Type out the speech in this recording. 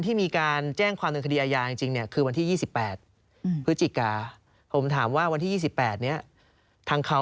ทางเขามาพร้อมพญาณ